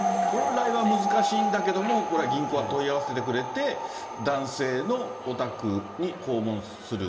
本来は難しいんだけれども、これ、銀行は問い合わせてくれて、男性のお宅に訪問する。